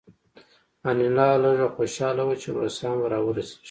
انیلا لږه خوشحاله وه چې روسان به راورسیږي